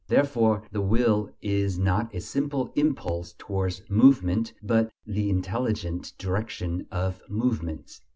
Therefore the will is not a simple impulse towards movement, but the intelligent direction of movements.